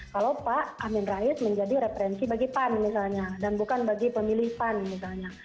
kalau pak amin rais menjadi referensi bagi pan misalnya dan bukan bagi pemilih pan misalnya